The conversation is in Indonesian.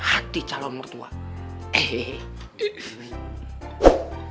tau ga ya seriously